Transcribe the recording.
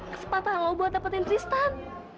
kesempatan lo buat dapetin tristan